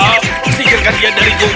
kecilkan dia dari sini